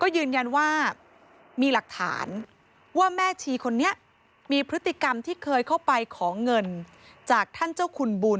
ยืนยันว่ามีหลักฐานว่าแม่ชีคนนี้มีพฤติกรรมที่เคยเข้าไปขอเงินจากท่านเจ้าคุณบุญ